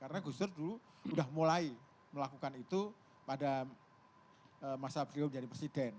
karena gus dur dulu sudah mulai melakukan itu pada masa beliau menjadi presiden